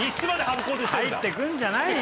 入って来るんじゃないよ。